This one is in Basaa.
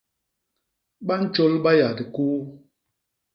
Ba ntjôl baya dikuu.